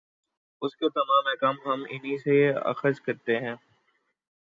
اُس کے تمام احکام ہم اِنھی سے اخذ کرتے ہیں